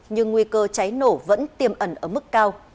nhưng nguy cơ cháy nổ vẫn tiềm ẩn ở mức cao